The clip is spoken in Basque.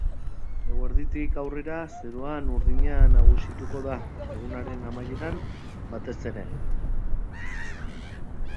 Eguerditik aurrera zeruan urdina nagusituko da, egunaren amaieran batez ere.